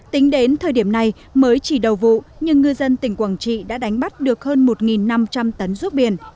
tính đến thời điểm này mới chỉ đầu vụ nhưng ngư dân tỉnh quảng trị đã đánh bắt được hơn một năm trăm linh tấn ruốc biển